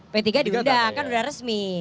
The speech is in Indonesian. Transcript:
p tiga diundang kan sudah resmi